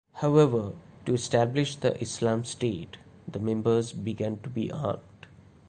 However, to establish the Islam state, the members began to be armed.